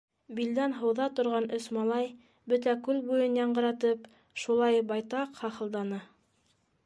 Билдән һыуҙа торған өс малай, бөтә күл буйын яңғыратып, шулай байтаҡ хахылданы.